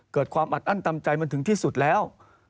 เกิดความอัดอั้นตันใจมันถึงที่สุดแล้ว